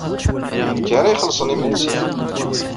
D nekk ara ixellṣen imensi.